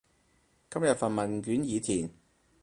今日份問卷已填